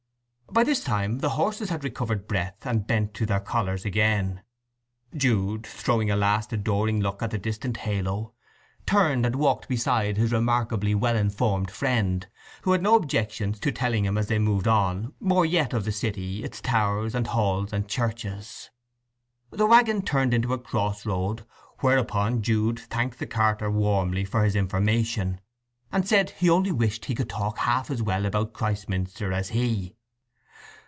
By this time the horses had recovered breath and bent to their collars again. Jude, throwing a last adoring look at the distant halo, turned and walked beside his remarkably well informed friend, who had no objection to telling him as they moved on more yet of the city—its towers and halls and churches. The waggon turned into a cross road, whereupon Jude thanked the carter warmly for his information, and said he only wished he could talk half as well about Christminster as he.